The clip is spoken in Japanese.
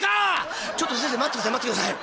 「ちょっと先生待ってください待ってください。